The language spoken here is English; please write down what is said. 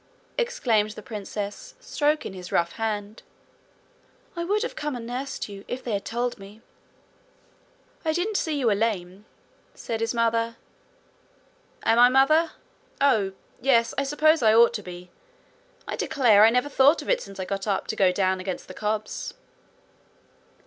exclaimed the princess, stroking his rough hand. 'I would have come and nursed you, if they had told me.' 'I didn't see you were lame,' said his mother. 'Am I, mother? Oh yes I suppose I ought to be! I declare I've never thought of it since I got up to go down amongst the cobs!'